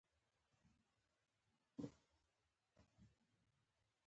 غول د تغذیې سیستم عکس دی.